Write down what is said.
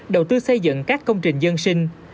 đầu tư xây dựng các công trình dân sinh